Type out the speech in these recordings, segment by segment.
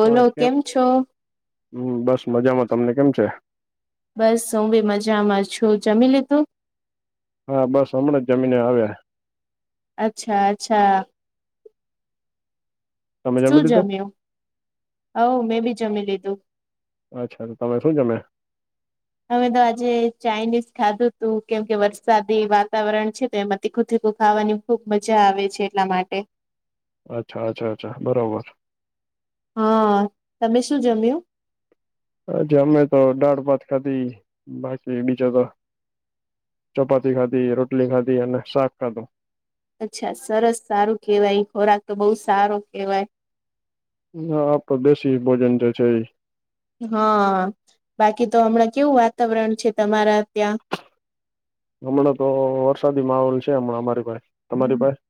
બોલો હા કેમ છો? હમ્મ બસ મજામાં. તમને કેમ છે? બસ હું ભી મજામાં છું. જમી લીધુ? હા બસ હમણાં જ જમીને આવ્યા. અચ્છા અચ્છા તમે શું જમી લીધું જમ્યું હવ મેં બી જમી લીધું. અચ્છા તમે શું જમયા? અમે તો આજે ચાાઈનીઝ ખાધું તું કેમ કે વરસાદી વાતાવરણ છે તો એમાં તીખું તીખું ખાવાનું ખુબ મજા આવે છે એટલા માટે અચ્છા અચ્છા અચ્છા બરોબર. હા તમે શું જમ્યું? આ જે અમે તો દાળભાત ખાધી બાકી બીજા તો ચપાતી ખાધી રોટલી ખાધી અને શાક ખાધું અચ્છા સરસ સારું કહેવાય ખોરાક તો બહુ સારો કહેવાય. હ આ પદેશી ભોજન જે છે ઈ હા બાકી તો હમણાં કેવું વાતાવરણ છે તમારા ત્યાં હમણાં તો વરસાદી માહોલ છે હમણાં અમારી પાહે તમારી પાસે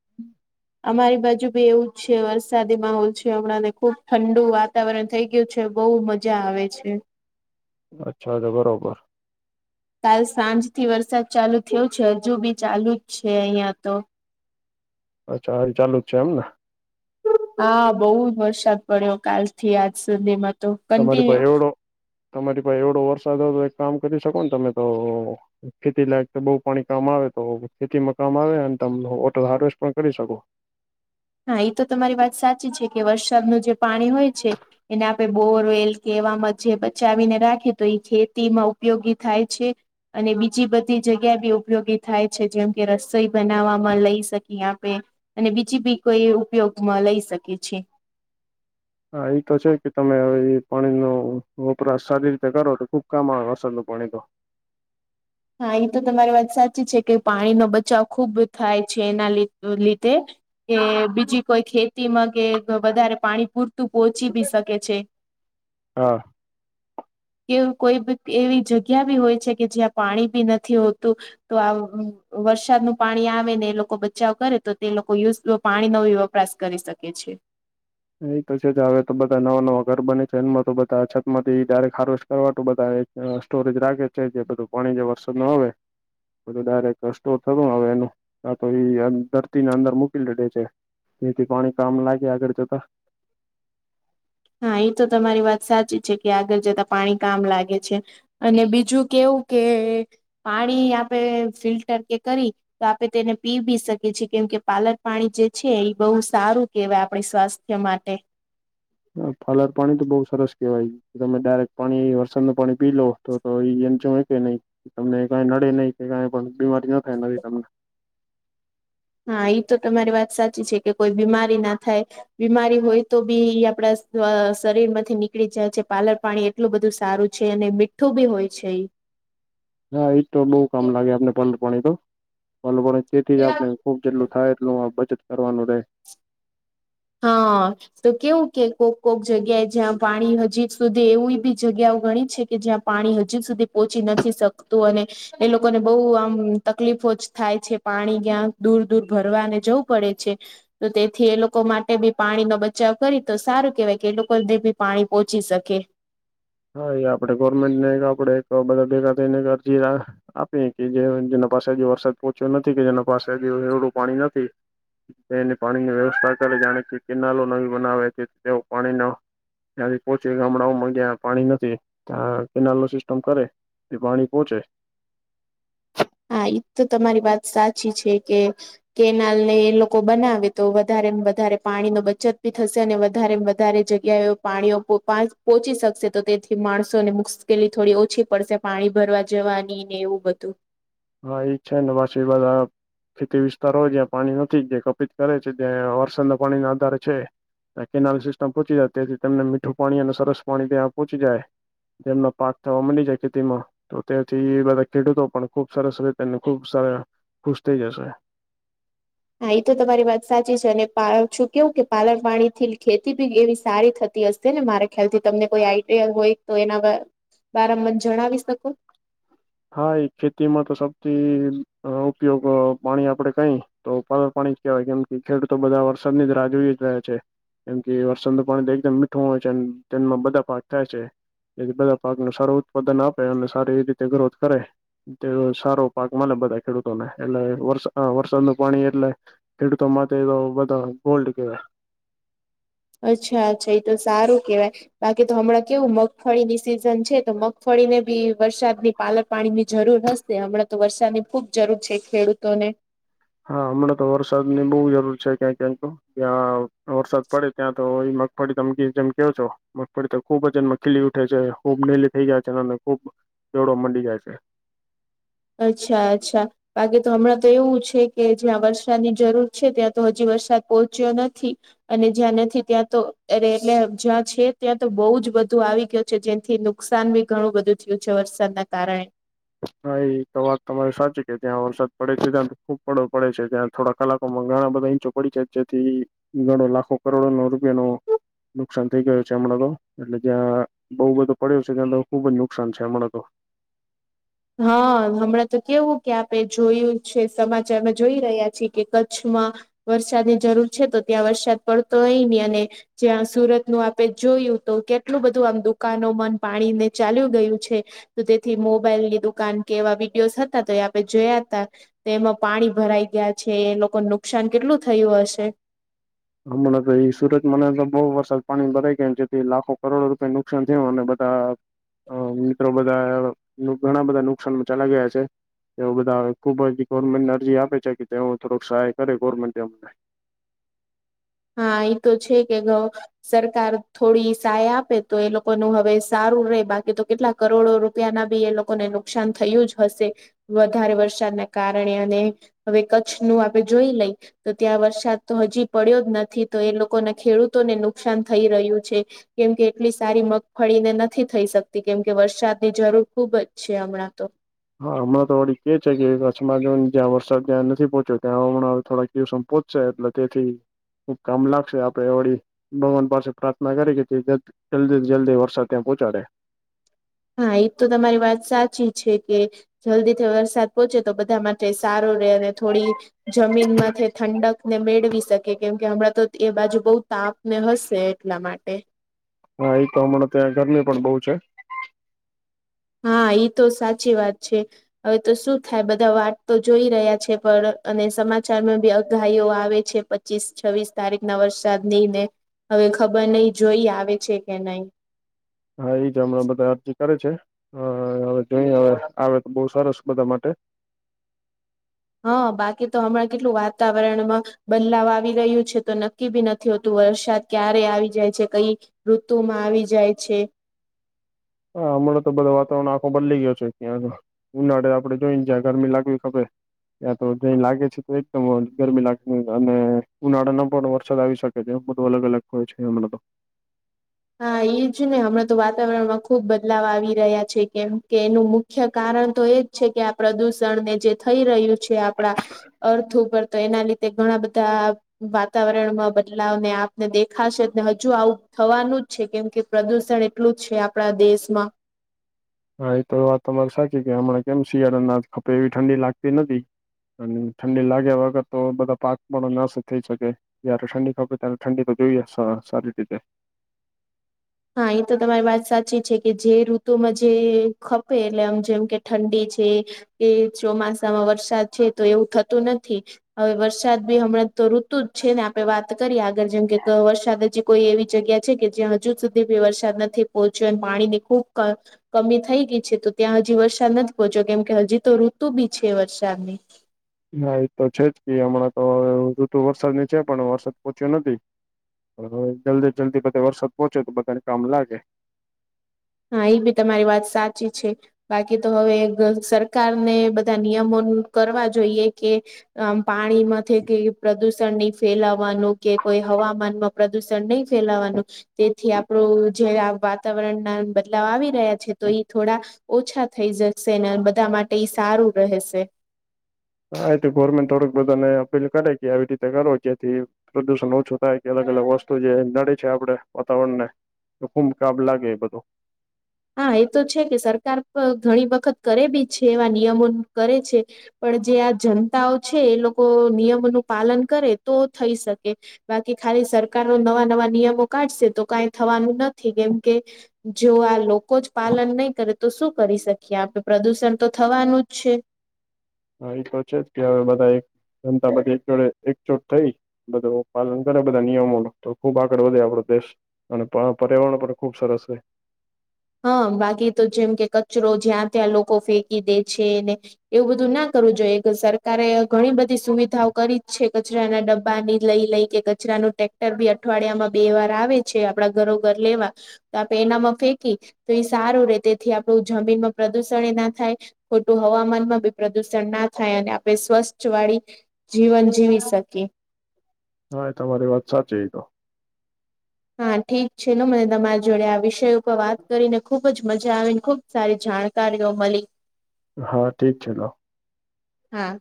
અમારી બાજુ ભી એવું જ છે વરસાદી માહોલ છે હમણાં ને ખુબ ઠંડુ વાતાવરણ થઈ ગયુ છે બહુ મજા આવે છે. અચ્છા તો બરોબર કાલ સાંજ થી વરસાદ ચાલુ થયો છે હજુ બી ચાલુ જ છે અહિયાં તો અચ્છા હવે ચાલુ જ છે એમ ને હા બઉ જ વરસાદ પડ્યો કાલ થી આજ સુધીમાં તો તમારી કન્ટિન્યુ પાસે એવડો તમારી પાસે એવડો વરસાદ હો તો એક કામ કરી શકો ને તમે તો ખેતી લાયક તો બહુ પાણી કામ આવે તો ખેતીમાં કામ આવે તમે ઓટર હાર્વેસ્ટ પણ કરી શકો. હા એ તો તમારી વાત સાચી છે કે વરસાદનું જે પાણી હોય છે. એને આપણે બોરવેલ કેવામાં જે બચાવીને રાખીએ તો એ ખેતીમાં ઉપયોગી થાય છે. અને બીજી બધી જગ્યા બી ઉપયોગી થાય છે જેમ કે રસોઈ બનાવવામાં લઈ શકીએ આપણે અને બીજી બી કોઈ ઉપયોગમાં લઈ શકે છે. હા એ તો છે કે તમે હવે એ પાણી નુ વપરાશ સારી રીતે કરો તો ખુબ કામ આવે વરસાદ નું પાણી તો હા એ તો તમારી વાત સાચી છે કે પાણીનો બચાવ ખુબ થાય છે એના લીધે કે બીજી કોઈ ખેતીમાં કે વધારે પાણી પૂરતું તું પહોચી બી શકે છે. હા કે કોઈ એવી જગ્યા બી હોય છે કે જ્યાં પાણી બી નથી હોતું તો આ વરસાદ નું પાણી આવે ને એ લોકો બચાવ કરે તો તે લોકો યુઝ પાણી નો યો વપરાશ કરી શકે છે. એ તો છે જ હવે તો બધા નવા નવા ઘર બને છે એમાં તો બધા અછત માંથી ડાઈરેક ખારોશ કરવા બધા. સ્ટોરેજ રાખે છે જે બધું પાણી જે વરસાદ નો આવે. બધા ડાયરેક્ટ રસ્તો થતો હવે એનું આ તો ધરતીને અંદર મૂકી દીધી છે. નીથી પાણી કામ લાગે આગળ જતા. હા એ તો તમારી વાત સાચી છે કે આગળ જતા પાણી કામ લાગે છે. અને બીજું કેવું કે પાણી આપે ફિલ્ટર કે કરી તો આપણે તેને પી ભી શકીએ છીએ કેમ કે પાલક પાણી જે છે એ બહુ સારું કેવા આપણી સ્વાસ્થ્ય માટે. હમ પાલક પાણી તો બઉ સરસ કેવાય. તમે ડાયરેક્ટ પાણી વરસાદ નુ પાણી પી લો તો તો એ એમ જો કે નહી તમને કઈ નડે નહી કે કઈ પણ બીમારી ન થાય નવી તમને. હા એ તો તમારી વાત સાચી છે કે કોઈ બીમારી ના થાય બીમારી હોય તો બી આપડા શરીર માંથી નીકળી જાય છે પાલર પાણી એટલું બધું સારું છે અને મીઠું બી હોય છે ઈ. હા એજ તો બહુ કામ લાગે આપને પાલક પાણી તો પાલક પાણી તેથી જ આપણે ખુબ જેટલું થાય એટલું આ બચત કરવાનું રહે. હા. તો કેવું કે કોક કોક જગ્યાએ જ્યાં પાણી હજી સુધી એવી બી જગ્યાઓ ગણી છે કે જ્યાં પાણી હજી સુધી પહોંચી નથી શકતું અને એ લોકોને બહુ આમ તકલીફો જ થાય છે પાણી ક્યાં દૂર-દૂર ભરવાને જવું પડે છે. તો તેથી એ લોકો માટે તે બી પાણીનોો બચાવ કરી તો સારું કેહેવાય કે એ લોકોધ બી પાણી પોહોંચી શકે. હા એ આપડે ગવર્મેન્ટ ને આપડે બધા ભેગા થઈને અરજી આપી કે જે જેના પાસે હજ વરસાદ પહોંચ્યો નથી કે જેના પાસે હજ રવડું પાણી નથી તેની પાણીની વ્યવસ્થા કરે જાણે કે કેનાલો નવી બનાવે છે તેઓ પાણીનો ત્યાં બી પોહંચે ગામડાઓમાં ગ્યા પાણી નથી. ત્યાં કેનાલનો સિસ્ટમ કરે એ પાણી પોહોંચે. હા એજ તો તમારી વાત સાચી છે કે કેનાલ ને એ લોકો બનાવે તો વધારે-વધારે પાણી ન બચત ભી થશે અને વધારે-વધારે જ ગ્યા એ પાણીઓ પોહોચી શકશે. તો તેથી માણસોને મુશ્કેલી થોડી ઓછી પડશે. પાણી ભરવા જવાની ને એવું બધું. હા એજ છે ને [inaudible] ખેતી વિસ્તારોય જ્યાં પાણી નથી જે કપિત કરે છે જ્યાં વરસાના પાણી ના આધારે છે. કેનાલ સિસ્ટમ પહોંચી જાય ત્યાથી તને મીઠું પાણી અને સરસ પાણી ત્યાં પહોંચી જાય. જેમના પાક થવા મની જાય ખેતીમાં તો ત્યાંથી બધા ખેડૂતો પણ ખુબ સરસ રીતેને ખુબ સ ખુશ થઇ જશે. હા એ તો તમારી વાત સાચી છે અને શું કેવું કે પાલન પાણી થી ખેતી બી એવી સારી થતી ને મારે ખ્યાલથી તમને કોઈ આઈડિયા હોય તો એના બરા જણાવી શકો? હા એ ખેતીમાં તો સૌથી ઉપયોગ પાણી આપડે કઈ તો પણ પાણી કવાય કેમ કે ખેડૂતો બધા વરસાદની રાહ જોઈ જ રહે છે. કેમ કે વરસનું પાણી એકદમ મીઠું હોય છે તેમાં બધા પાક થાય છે. એ બધા પાકને સારું ઉત્પાદન આપે અને સારી એ રીતે ગ્રોથ કરે. તે સારો પાક મળે બધા ખેડૂતોને એટલે વાર વરસાદ ન પાણી એટલે ખેડૂતો માટે તો બધા ગોલ્ડ કેવાય. અચ્છા અચ્છા એ તો સારું કેવાય બાકી તો હમણાં કેવું મગફળી ની સિઝન છે તો મગફળી ને બી વરસાદની પાલન પાણી ની જરૂર હશે હમણાં તો વરસાદની ખુબ જરૂર છે ખેડૂતોને. હા હમણાં તો વરસાદ ની બહુ જરૂર છે ક્યાં ક્યાંક તો. ત્યાં વરસાદ પડે ત્યાં તો મગફળી તમકી જેમ કેવો છો મગફળી તો ખુબ એમાં ખીલી ઉઠે છે ખૂબ નીલી થઇ જાય છે અને ખુબ દડો મડી જાય છે અચ્છા અચ્છા બાકી તો હમણાં તો એવું છે કે જ્યાં વરસાદની જરૂર છે ત્યાં તો હજી વરસાદ પહોંચ્યો નથી અને જ્યાં નથી ત્યાં તો અરે એટલે જ્યાં છે ત્યાં તો બહુ જ બધું આવી ગયું છે જે્યાંથી નુકસાન બી ઘણું બધું થયું છે વરસાદના કારણે હા એ તો વાત તમારે સાચી કે ત્યાં વરસાદ પડે છે ત્યાં ખૂબ પડો પડે છે ત્યાં થોડા કલાકોમાં ઘણા બધા ઈંચો પડી જાય જેથી ઘણો લાખો કરોડોનો રૂપિયાનો નુકસાન થઈ ગયું છે હમણાં તો એટલે જ્યાં બહુ બધો પડ્યો છે ત્યા ખુબ જ નુકસાન છે હમણાં તો હા હમણાં તો કેવું કે આપે જોયું છે સમાચારમાં જોઈ રહ્યા છીએ કે કચ્છમાં વરસાદની જરૂર છે તો ત્યાં વરસાદ પડતો હોય નહી અને જ્યાં સુરત નું આપે જોયું તો કેટલું બધું આમ દુકાનો મન પાણીને ચાલ્યું ગયું છે તો તેથી મોબાઈલ ની દુકાન કે એવા વિડીયોઝ હતા તો એ આપણે જોયા હતા તે એમાં પાણી ભરાઈ ગયા છે એ લોકોને નુકસાન કેટલું થયું હશે હમણાં તો એ સુરતમાંને તો બહુ વરસાદ પાણી ભરાય ગયામ જેથી લાખો કરોડો રૂપિયા નુકસાન થયું અને બધા અ મિત્રો બધા ઘણા બધા નુકસાનમાં ચલા ગયા છે એવ બધા ખુબ જ ગવર્મેન્ટને અરજી આપે છે કે તે થોડક સહાય કરે ગવર્મેન્ટમને હા એ તો છે કે ગઉ સરકાર થોડી સહાય આપે તો એ લોકોનું હવે સારું રહે બાકી તો કેટલાક કરોડો રૂપિયા ના બી એ લોકોને નુકસાન થયું જ હશે વધારે વરસાદના કારણે અને હવે કચ્છ નુ આપે જોઈ લઈ તો ત્યાં વરસાદ તો હજી પડ્યો જ નથી નથી તો એ લોકોને ખેડૂતોને નુકસાન થઈ રહ્યું છે કેમકે એટલી સારી મગફળીને નથી થઈ શકતી કેમકે વરસાદની જરૂર ખુબ જ છે હમણાં તો હા હમણાં તો વડી કે છે કે કચ્છમાં જો જ્યાં વરસાદ જ્યાં નથી પહોંચ્યો ત્યાં હમણાં થોડા સંપોચશે એટલે તેથી ખુબ કામ લાગશે આપડે એ વડી ભગવાન પાસે પ્રાર્થના કરી કે તે જલ્દી જલ્દી વરસાદ ત્યાં પહોંચાડે હા એ તો તમારી વાત સાચી છે કે જલ્દીથી વરસાદ પહોંચે તો બધા માટે સારો રે અને થોડી જમીનમાંથી ઠંડક ને મેળવી શકે કેમ કે હમણાં તો એ બાજુ બહુ તાપ ને હશે એટલા માટે હા એ તો હમણાં ત્યાં ગરમી પણ બહુ છે હા એ તો સાચી વાત છે હવે તો શું થાય બધા વાત તો જોઈ રહ્યા છે પણ અને સમાચારમાં બી અગાહીઓ આવે છે પચીસ છવ્વીસ તારીખ ના વરસાદ ની ને હવે ખબર નહી જોઈ આવે છે કે નહીં હા એ જ હમણાં બધા અરજી કરે છે હવે જોઈ હવે આવે તો બહુ સરસ બધા માટે હા બાકી તો હમણાં કેટલું વાતાવરણમાં બદલાવ આવી રહ્યું છે તો નક્કી બી નથી હોતું વરસાદ ક્યારે આવી જાય છે કઈ ઋતુ માં આવી જાય છે હા હમણાં તો બધો વાતાવરણ આંખો બદલી ગયો છે ત્યાં ઉનાળે આપડે જોઈને જ્યા ગરમી લાગવી ખડે ત્યાં તો જ લાગે છે તો એકદમ ગરમી લાગતી અને ઉનાળા ન પણ વરસાદ આવી શકે કે એ બધ અલ અલગ હોય છે એમણા તો હા એજ ને હમણાં તો વાતાવરણમાં ખુબ બદલાવ આવી રહ્યા છે કેમ કે એનું મુખ્ય કારણ તો એજ છે કે આ પ્રદુષણને જે થઈ રહ્યું છે છે આપણા અર્થ ઉપર તો એના લીધે ઘણા બધા વાતાવરણમાં બદલાવ ને આપને દેખાશેને હજુ આવું થવાનું જ છે કેમ કે પ્રદુષણ એટલું જ છે આપણા દેશમાં હા એ તો વાત તમારી સાચી કે હમણાં કેમ શિયાળા અના ખપે એવી ઠંડી લાગતી નથી અને ઠંડી લાગ્યા વગર તો બધા પાક પણો નાશ થઈ શકે જયારે ઠંડી ખબે ત્યારે ઠંડી તો જોઈએ સારી રીતે હા એ તો તમારી વાત સાચી છે કે જે ઋતુમાં જે ખપે એટલે આમ જેમ કે ઠંડી છે એ ચોમાસામાં વરસાદ છે તો એવું થતું નથી. હવે વરસાદ બી હમણાં તો ઋતુ જ છે ને આપણે વાત કરીએ આગળ જેમ કે વરસાદ જે કોઈ એવી જગ્યા છે કે જ્યાં હજુ સુધી બી વરસાદ નથી પહોંચ્યો અને પાણી ની ખૂબ કમી થઈ ગઈ છે તો ત્યાં હજી વરસાદ નથી પહોંચ્યો કેમ કે હજી તો ઋતુ બી છે વરસાદની. હા એતો છે જ કે હમણાં તો ઋતુ વરસાદની છે પણ વરસાદ પોહચ્યો નથી. હવે જલ્દી જલ્દી બધા વરસાદ પહોંચે તો બધાને કામ લાગે. હા એ બી તમારી વાત સાચી છે. બાકી તો હવે સરકારને બધા નિયમો કરવા જોઈએ કે આમ પાણી માંથી કેઈ પ્રદુષણ નહી ફેલાવાનું કે કોઈ હવામાનમાં પ્રદુષણ નહીં ફેલાવાનું તેથી આપણું જે વાતાવરણના બદલાવ આવી રહ્યા છે તો ઈ થોડા ઓછા થઈ જશે ને બધા માટે ઈ સારું રહેશે. હા એતો ગવર્મેન્ટ થોડક બધાને અપીલ કરે કે આવી રીતે કરો જેથી પ્રદુષણ ઓછું થાય કે અલગ અલગ વસ્તુ જે નડે છે આપણે વાતાવરણ ને તો ખૂબ કાબ લાગે એ બધો. હા એ તો છે કે સરકાર ઘણી વખત કરે બી છે એવા નિયમો કરે છે. પણ જે આ જનતાઓ છે એ લોકો નિયમોનું પાલન કરે તો થઈ શકે. બાકી ખાલી સરકાર ન નવા નવા નિયમો કાઢશે તો કઈ થવાનું નથી કેમ કે જો આ લોકો જ પાલન નહીં કરે તો શું કરી શકીએ આપણે પ્રદૂષણ તો થવાનું જ છે. હા એ તો છે જ કે હવે બધા એક જનતા બધી એક જોડે એકજોટ થઈ. બધું પાલન કરે બધા નિયમો તો ખુબ આગળ વધે આપડો દેશ. અને પર્યાવરણ પણ ખુબ સરસ છે. હા બાકી તો જેમ કે કચરો જ્યાં ત્યાં લોકો ફેંકી દે છેને એવું બધું ના કરવું જોઈએ સરકારે ઘણી બધી સુવિધાઓ કરી જ છે કચરાના ડબ્બા ની લઈ લઈ કે કચરાનું ટ્રેક્ટર બી અઠવાડિયામાં બે વાર આવે છે આપડા ઘરો ઘર લેવા તો આપણે એનામાં ફેંકી તો એ સારું રે તેથી આપણું જમીનમાં પ્રદુષણ એ ના થાય. ખોટું હવામાનમાં બી પ્રદુષણ ના થાય અને આપણે સ્વચ્છ વાળી જીવન જીવી શકીએ. હા એ તમારી વાત સાચી ઈ તો હા ઠીક છે ન મને તમારી જોડે આ વિષય ઉપર વાત કરીને ખુબ જ મજા આવીને ખુબ સારી જાણકારીઓ મળી. હા ઠીક છેલો હા